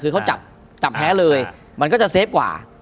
คือเขาจับแพ้เลยมันก็จะเซฟกว่า